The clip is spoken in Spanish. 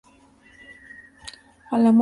¿A la muy viva música?